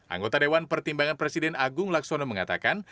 anggota dewan pertimbangan presiden agung laksono mengatakan